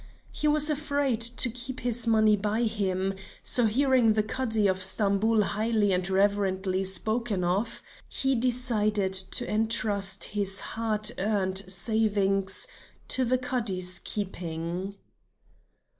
He was afraid to keep this money by him; so hearing the Cadi of Stamboul highly and reverently spoken of, he decided to entrust his hard earned savings to the Cadi's keeping.